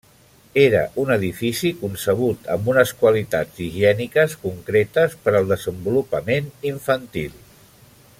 Era un edifici concebut amb unes qualitats higièniques concretes per al desenvolupament infantil.